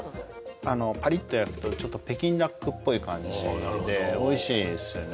あのパリッと焼くとちょっと北京ダックっぽい感じでなるほどおいしいですよね